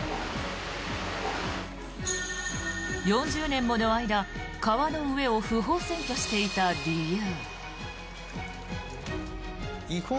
４０年もの間、川の上を不法占拠していた理由。